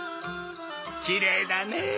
キレイだねぇ。